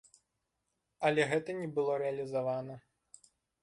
Але гэта не было рэалізавана.